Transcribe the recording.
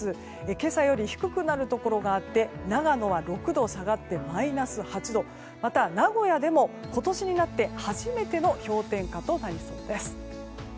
今朝より低くなるところがあって長野は６度下がってマイナス８度また名古屋でも、今年になって初めての氷点下となりそうです。